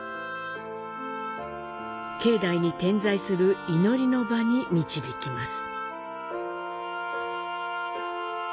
境内に点在する祈りの場に導きます。